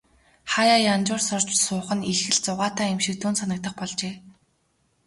Хааяа янжуур сорж суух нь их л зугаатай юм шиг түүнд санагдах болжээ.